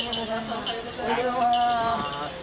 おはようございます。